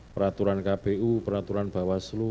peraturan kpu peraturan bawaslu